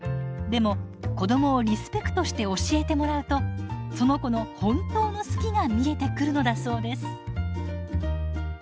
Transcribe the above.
でも子どもをリスペクトして教えてもらうとその子の本当の「好き」が見えてくるのだそうです。